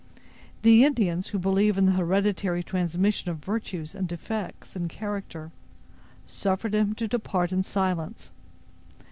The Indians, who believe in the hereditary transmission of virtues and defects in character, suffered him to depart in silence.